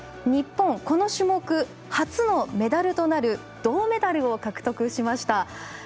日本、この種目初のメダルとなる銅メダルを獲得しました。